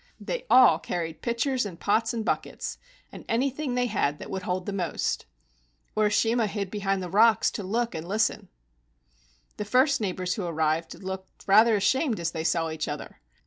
They all carried pitchers and pots and buckets, and anything they had that would hold the most. Urishima hid behind the rocks to look and listen. The first neighbors who arrived looked rather ashamed as they saw each other.